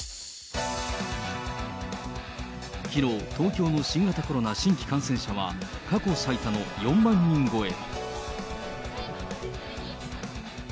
きのう、東京の新型コロナ新規感染者は、過去最多の４万人超え。